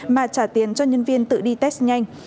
mà trả tiền cho nhân viên tự đi test nhanh